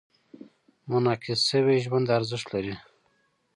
منعکس شوي ژوند ارزښت لري.